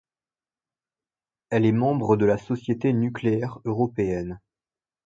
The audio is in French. Elle est membre de la Société nucléaire européenne.